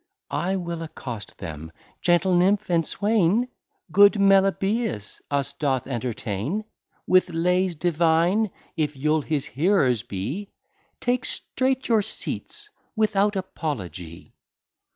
I will accost them. Gentle Nymph and Swaine, Good Melibæus us doth entertain With Lays Divine: if you'll his Hearers be, Take streight your Seats without Apology.